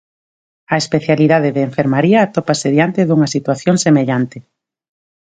A especialidade de enfermaría atópase diante dunha situación semellante.